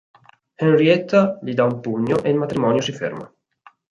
Henrietta gli dà un pugno e il matrimonio si ferma.